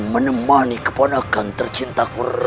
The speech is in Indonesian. menemani kepanakan tercintaku